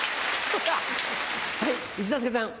はい一之輔さん。